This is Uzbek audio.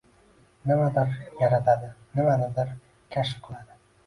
Nimadir yaratadi, nimanidir kashf qiladi